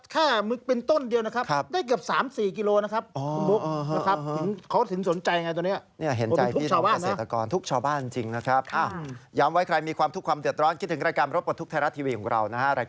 คอนเกี๊ยร์นั้นใช้ภุมก็โดนนะครับ